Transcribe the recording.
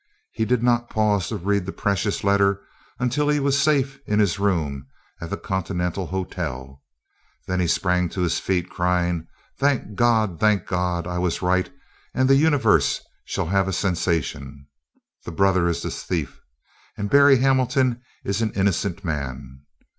He did not pause to read the precious letter until he was safe in his room at the Continental Hotel. Then he sprang to his feet, crying, "Thank God! thank God! I was right, and the Universe shall have a sensation. The brother is the thief, and Berry Hamilton is an innocent man.